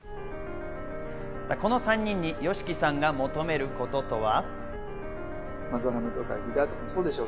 この３人にＹＯＳＨＩＫＩさんが求めることとは？